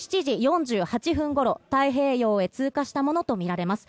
７時４８分頃、太平洋へ通過したものとみられます。